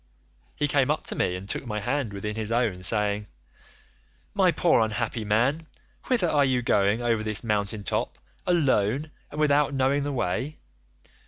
He came up to me and took my hand within his own, saying, 'My poor unhappy man, whither are you going over this mountain top, alone and without knowing the way?